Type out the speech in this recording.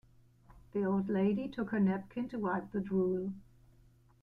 The old lady took her napkin to wipe the drool.